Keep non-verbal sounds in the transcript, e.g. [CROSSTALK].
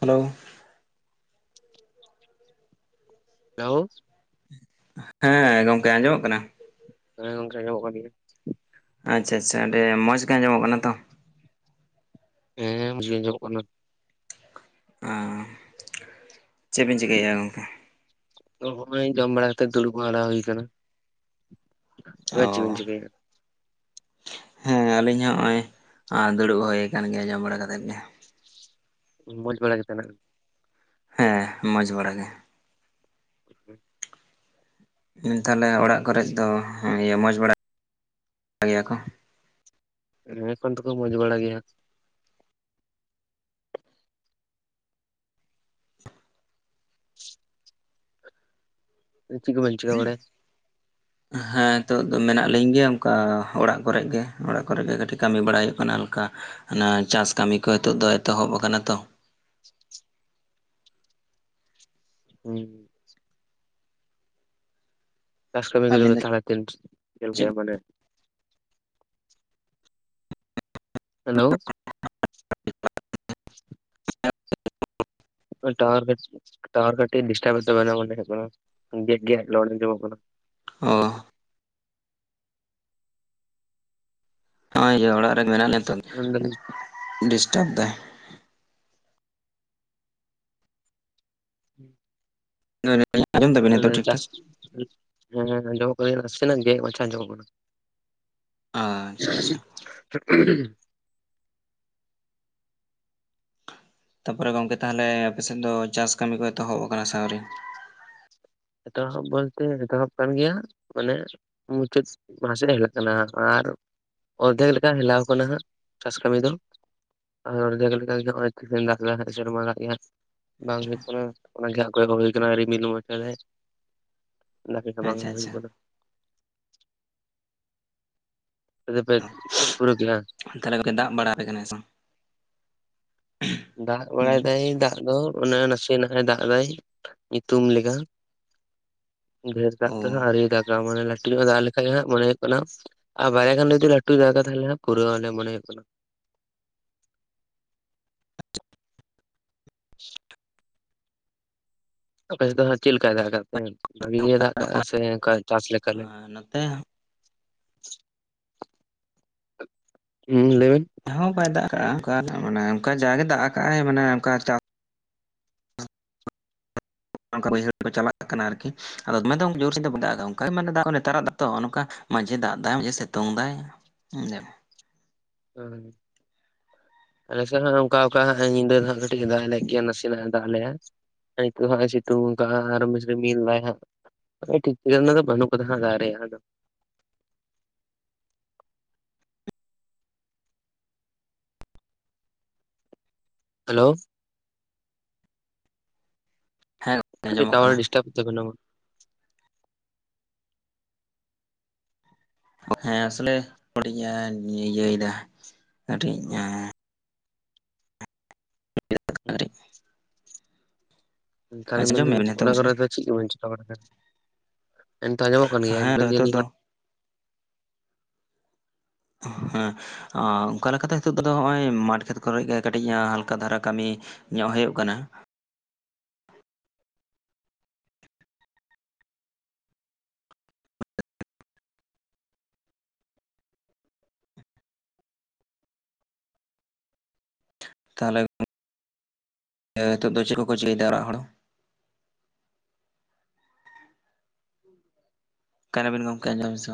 Hello. ᱞᱮᱣ᱾ ᱦᱮᱸᱻ, ᱜᱚᱝᱠᱮ ᱟᱸᱡᱚᱢᱚᱜ ᱠᱟᱱᱟ? ᱦᱮᱸ ᱜᱚᱝᱠᱮ, ᱟᱸᱡᱚᱢᱚᱜ ᱠᱟᱱ ᱜᱮᱭᱟ᱾ ᱟᱪᱪᱷᱟ-ᱪᱷᱟ, ᱚᱱᱰᱮ ᱢᱚᱡᱽ ᱜᱮ ᱟᱸᱡᱚᱢᱚᱜ ᱠᱟᱱᱟ ᱛᱚ? ᱦᱮᱸ, ᱵᱩᱡᱷᱟᱹᱣ ᱧᱚᱜᱚᱜ ᱠᱟᱱᱟ᱾ ᱚᱸ, ᱪᱮᱜ ᱵᱤᱱ ᱪᱤᱠᱟᱹᱭᱮᱜᱼᱟ ᱜᱚᱝᱠᱮ? ᱫᱚ ᱦᱚᱸᱜᱼᱚᱸᱭ ᱡᱚᱢ ᱵᱟᱲᱟ ᱠᱟᱛᱮ ᱫᱩᱲᱩᱵ ᱵᱟᱲᱟ ᱦᱩᱭ ᱠᱟᱱᱟ᱾ ᱟ ᱪᱮᱜᱮᱱ ᱪᱤᱠᱟᱹᱭᱟ? ᱦᱮᱸᱻ, ᱟᱞᱤᱧ ᱦᱚᱸᱜᱼᱚᱸᱭ ᱟᱸ ᱫᱩᱲᱩᱵ ᱦᱩᱭ ᱠᱟᱱ ᱜᱮᱭᱟ ᱡᱚᱢ ᱵᱟᱲᱟ ᱠᱟᱛᱮᱫ ᱜᱮ᱾ ᱢᱚᱡᱽ ᱵᱟᱲᱟ ᱜᱮ ᱛᱟᱱᱮ? ᱦᱮᱸ, ᱢᱚᱸᱡᱽ ᱵᱟᱲᱟ ᱜᱮ᱾ ᱠᱮᱯᱮ ᱦᱩᱸ, ᱛᱟᱞᱮ ᱚᱲᱟᱜ ᱠᱚᱨᱮᱜ ᱦᱟᱸ ᱭᱟᱹ ᱢᱚᱡᱽ ᱵᱟᱲᱟ ᱜᱮᱭᱟ ᱠᱚᱸᱦ? ᱦᱮᱸ, ᱠᱚᱱ ᱫᱚᱠᱚ ᱢᱚᱡᱽ ᱵᱟᱲᱟ ᱜᱮᱭᱟᱸ᱾ ᱩᱸ ᱪᱤᱜ ᱠᱚᱵᱤᱱ ᱪᱤᱠᱟᱹ ᱵᱟᱲᱟᱭᱟ? ᱦᱮᱸ, ᱛᱳᱜ ᱫᱚ ᱢᱮᱱᱟᱜ ᱞᱤᱧ ᱜᱮᱭᱟ ᱚᱝᱠᱟ ᱦᱚᱲᱟᱜ ᱠᱚᱨᱮᱜ ᱜᱮ, ᱚᱲᱟᱜ ᱠᱚᱨᱮ ᱜᱮ ᱠᱟᱴᱤᱜ ᱠᱟᱢᱤ ᱵᱟᱲᱟ ᱭᱩᱜ ᱟᱱᱟᱞ ᱠᱟ ᱦᱟᱱᱟ ᱪᱟᱥ ᱠᱟᱢᱤ ᱠᱚ ᱛᱚᱜ ᱫᱚ ᱮᱛᱚᱦᱚᱵ ᱟᱠᱟᱱᱟ ᱛᱚ᱾ ᱦᱩᱸ᱾ ᱪᱟᱥ ᱠᱟᱢᱤ ᱠᱚ ᱟᱹᱵᱤᱱ ᱵᱮ ᱫᱚ ᱛᱷᱟᱞᱮ ᱛᱤᱱᱥ ᱠᱮᱹᱞ ᱠᱮᱭᱟ? ᱪᱮᱫ ᱢᱟᱱᱮ ᱦᱮᱞᱳᱣ᱾ [INAUDIBLE] ᱠᱟᱹᱡ ᱴᱟᱣᱟᱨ ᱠᱟᱹ, ᱴᱟᱣᱟᱨ ᱠᱟᱴᱤᱜ ᱰᱤᱥᱴᱟᱵᱮᱜ ᱛᱟᱵᱮᱱᱟ ᱢᱚᱱᱮ ᱦᱳᱭᱳᱜ ᱠᱟᱱᱟ ᱩᱸ ᱜᱮᱜ-ᱜᱮ ᱞᱚᱲ ᱟᱸᱡᱚᱢᱚᱜ ᱠᱟᱱᱟ᱾ ᱚ᱾ ᱱᱚᱜᱼᱚᱭ ᱡᱮ ᱚᱲᱟᱜ ᱨᱮ ᱜᱮ ᱢᱟᱱᱟᱜ ᱞᱤᱧᱟᱹ ᱛᱚᱸᱡ ᱢᱮᱱᱫᱟᱞᱤᱧ ᱰᱤᱥᱴᱟᱵ ᱫᱟᱭ᱾ ᱦᱩᱸ᱾ [UNINTELLIGIBLE] ᱢᱟᱱᱮ ᱱᱤᱛᱚᱜ ᱴᱷᱤᱠ ᱴᱷᱟᱠ ᱡᱟᱹᱥᱛᱤ ᱦᱮᱸ ᱧᱚᱜ ᱠᱟᱹᱧ ᱱᱟᱥᱮ ᱜᱮ ᱢᱟᱪᱷᱟ ᱧᱚᱜ ᱠᱟᱱᱟ [INAUDIBLE] ᱟᱻ ᱟᱪᱪᱷᱟ ᱟᱪᱪᱷᱟ᱾ [UNINTELLIGIBLE] ᱛᱟᱯᱚᱨᱮ ᱜᱚᱝᱠᱮ ᱛᱟᱦᱞᱮ ᱟᱯᱮᱥᱮᱫ ᱫᱚ ᱪᱟᱥ ᱠᱟᱹᱢᱤ ᱠᱚ ᱮᱛᱚᱦᱚᱵ ᱟᱠᱟᱱᱟ ᱥᱮ ᱟᱹᱶᱨᱤ? ᱮᱛᱚᱦᱚᱵ ᱵᱚᱞᱛᱮ ᱮᱛᱚᱦᱚᱵ ᱠᱟᱱ ᱜᱮᱭᱟ ᱢᱟᱱᱮ ᱢᱩᱪᱟᱹᱫ ᱢᱟᱥᱮᱫ ᱦᱮᱞᱟᱜ ᱠᱟᱱᱟ ᱟᱨ ᱚᱨᱫᱮᱠ ᱞᱮᱠᱟ ᱦᱮᱞᱟᱣ ᱟᱠᱟᱱᱟ ᱦᱟᱸᱜ ᱪᱟᱥ ᱠᱟᱹᱢᱤ ᱫᱚ᱾ ᱚᱨᱫᱷᱮᱠ ᱞᱮᱠᱟ ᱜᱮ ᱦᱟᱜ ᱦᱚᱜ-ᱚᱭ ᱫᱟᱜ ᱫᱟᱭ ᱦᱟᱜ ᱥᱮᱨᱢᱟ ᱫᱟᱜ ᱜᱮ ᱦᱟᱜ᱾ ᱵᱟᱝ ᱦᱩᱭᱩᱜ ᱠᱟᱱᱟ ᱚᱱᱟᱜᱮ ᱟᱠᱚᱜᱩ ᱦᱩᱭ ᱠᱟᱱᱟ ᱨᱤᱢᱤᱞ ᱢᱟᱪᱷᱟ ᱨᱮᱼᱼ ᱚᱱᱟᱜᱮ ᱦᱳᱭ ᱟᱪᱪᱷᱟ ᱟᱪᱪᱷᱟ ᱦᱤᱡᱩᱜ ᱠᱟᱱᱟ᱾ [INAUDIBLE] [UNINTELLIGIBLE] ᱯᱩᱨᱟᱹ ᱜᱮᱞᱟ᱾ ᱛᱟᱦᱚᱞᱮ ᱜᱚᱝᱠᱮ ᱫᱟᱜ ᱵᱟᱲᱟ ᱟᱯᱮ ᱠᱟᱱᱟ ᱥᱮ ᱵᱟᱝ? ᱫᱟᱜ ᱦᱩᱸ ᱵᱟᱲᱟᱭᱮᱫᱟᱭ ᱫᱟᱜ ᱫᱚ ᱚᱱᱮ ᱱᱟᱥᱮ ᱱᱟᱜ ᱮ ᱫᱟᱜ ᱮᱫᱟᱭ ᱧᱩᱛᱩᱢ ᱞᱮᱠᱟ᱾ ᱵᱷᱮᱨ ᱚ ᱫᱟᱜ ᱛᱮᱦᱚ ᱟᱹᱶᱨᱤ ᱫᱟᱜᱟ ᱢᱟᱱᱮ ᱞᱟᱹᱴ ᱧᱚᱜ ᱫᱟᱜ ᱞᱮᱠᱷᱟᱡ ᱦᱟᱜ ᱢᱚᱱᱮ ᱦᱩᱭᱩᱜ ᱠᱟᱱᱟ ᱟᱨ ᱵᱟᱨᱭᱟ ᱠᱷᱟᱱ ᱡᱩᱫᱤ ᱞᱟᱹᱴᱩ ᱫᱟᱜ-ᱟᱭ ᱛᱟᱦᱚᱞᱮ ᱯᱩᱨᱟᱹᱣ ᱟᱞᱮ ᱢᱚᱱᱮ ᱦᱩᱭᱩᱜ ᱠᱟᱱᱟ [UNINTELLIGIBLE] ᱚᱠᱟᱭ ᱥᱮᱫ ᱫᱚ ᱦᱟᱸᱜ ᱪᱮᱫ ᱞᱮᱠᱟᱭ ᱫᱟᱜ ᱠᱟᱫ ᱛᱮᱭ? ᱵᱷᱟᱜᱤ ᱜᱮ ᱫᱟᱜ ᱠᱟᱜ-ᱟ ᱥᱮ ᱚᱱᱠᱟ ᱪᱟᱥ ᱞᱮᱠᱟ ᱞᱮ ᱟᱨ ᱱᱚᱛᱮ ᱦᱩᱸ ᱞᱟᱹᱭᱵᱮᱱᱼᱼ ᱦᱚᱸ ᱵᱟᱭ ᱫᱟᱜ ᱠᱟᱜ-ᱟ ᱚᱱᱠᱟ ᱢᱟᱱᱮ ᱚᱱᱠᱟ ᱡᱟᱜᱮ ᱫᱟᱜ ᱟᱠᱟᱜ-ᱟᱭ ᱢᱟᱱᱮ ᱚᱱᱠᱟ ᱪᱟᱥᱼᱼ ᱵᱟᱹᱭᱦᱟᱹᱲ ᱠᱚ ᱪᱟᱞᱟᱜ ᱠᱟᱱᱟ ᱟᱨᱠᱤ ᱟᱫᱚ ᱢᱮᱱ ᱫᱚ ᱡᱳᱨ ᱥᱮᱫ ᱫᱚ ᱫᱟᱜ ᱫᱟ ᱚᱱᱠᱟᱭ ᱢᱮᱱᱫᱟᱜ ᱱᱮᱛᱟᱨᱟᱜ ᱛᱚ ᱱᱚᱝᱠᱟ [INAUDIBLE] ᱢᱟᱡᱷᱮ ᱫᱟᱜ ᱫᱟᱭ ᱥᱤᱛᱩᱝ ᱫᱟᱭ ᱦᱩᱸ᱾ ᱦᱳᱭ᱾ ᱟᱞᱮ ᱥᱮᱫ ᱦᱟᱸᱜ ᱚᱱᱠᱟ ᱚᱠᱟ ᱦᱟᱸᱜ ᱧᱤᱫᱟᱹ ᱫᱚ ᱦᱟᱸᱜ ᱠᱟᱹᱴᱤᱡ ᱮ ᱫᱟᱜ ᱞᱮᱫ ᱜᱮᱭᱟ ᱱᱟᱥᱮᱱᱟᱜ ᱮ ᱫᱟᱜ ᱞᱮᱜ-ᱟ᱾ ᱱᱤᱛᱳ ᱦᱟᱸᱜ ᱥᱮᱛᱩᱝ ᱠᱟᱜ-ᱟ ᱟᱨ ᱨᱤᱢᱤᱞ ᱫᱟᱭ ᱦᱟᱸᱜ᱾ ᱴᱤᱠ-ᱴᱤᱠᱟᱹᱱᱟ ᱵᱟᱹᱱᱩᱜ ᱠᱟᱫᱟ ᱫᱟᱜ ᱨᱮᱭᱟᱜ ᱫᱚ᱾ ᱦᱮᱞᱳ᱾ ᱦᱮᱸ ᱜᱚᱝᱠᱮ ᱠᱟᱹᱴᱤᱡ ᱟᱸᱡᱚᱢᱚᱜ ᱴᱟᱣᱟᱨ ᱮ ᱠᱟᱱᱟ ᱰᱤᱥᱴᱟᱵ ᱮᱫ ᱛᱟᱵᱤᱱᱟ᱾ ᱦᱮᱸ ᱟᱥᱚᱞᱮ ᱠᱟᱹᱤᱡ ᱤᱭᱟᱹᱭᱮᱫᱟ ᱠᱟᱹᱴᱤᱡᱼᱼ ᱠᱟᱹᱴᱤᱡ [UNINTELLIGIBLE] ᱛᱟᱦᱚᱞᱮ ᱢᱮᱱ ᱟᱸᱡᱚᱢᱮᱫ ᱵᱤᱱ ᱮᱫᱟᱞᱤᱧ ᱱᱤᱛᱚᱜ ᱚᱱᱟ ᱠᱚᱨᱮ ᱪᱮᱫ ᱜᱮ ᱪᱤᱠᱟᱹ ᱵᱟᱲᱟᱭ ᱜᱮᱭᱟ ᱮᱱᱛᱮ ᱟᱸᱡᱚᱢᱚᱜ ᱠᱟᱱ ᱜᱮᱭᱟ ᱦᱮᱸ ᱟᱫᱚ ᱱᱤᱛᱚᱜ ᱫᱚ ᱢᱮᱱᱟᱹᱧ ᱦᱮᱸ ᱚᱱᱠᱟ ᱞᱮᱠᱟᱛᱮ ᱦᱮᱛᱚᱜ ᱫᱚ ᱱᱚᱜ-ᱚᱭ ᱢᱟᱴᱷ ᱠᱷᱮᱛ ᱠᱚᱨᱮᱜ ᱜᱮ ᱠᱟᱹᱴᱤᱡ ᱦᱟᱞᱠᱟ ᱫᱷᱟᱨᱟ ᱠᱟᱹᱢᱤ ᱧᱚᱜ ᱦᱳᱭᱳᱜ ᱠᱟᱱᱟ᱾ ᱛᱟᱦᱚᱞᱮᱼᱼ ᱮ ᱱᱤᱛᱚᱜ ᱫᱚ ᱪᱮᱫ ᱠᱚᱠᱚ ᱪᱤᱠᱟᱹᱭᱮᱫᱟ ᱚᱲᱟᱜ ᱦᱚᱲ᱾ ᱚᱠᱟᱭᱱᱟᱵᱮᱱ ᱜᱚᱝᱠᱮ ᱟᱸᱡᱚᱢ ᱟᱵᱤᱱ ᱥᱮ ᱵᱟᱝ?